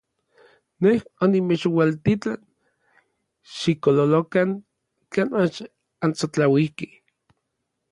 Nej onimechualtitlan xikololokan kan mach ansotlauikej.